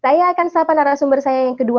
saya akan sapa narasumber saya yang kedua